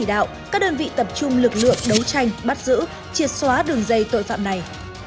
đạo các đơn vị tập trung lực lượng đấu tranh bắt giữ triệt xóa đường dây tội phạm này